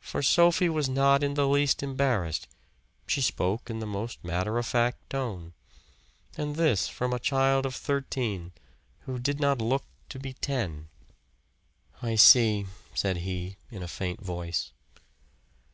For Sophie was not in the least embarrassed she spoke in the most matter of fact tone. And this from a child of thirteen, who did not look to be ten. "I see," said he in a faint voice.